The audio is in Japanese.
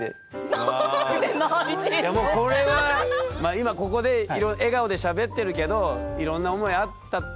今ここで笑顔でしゃべってるけどいろんな思いあったっていうことですよね？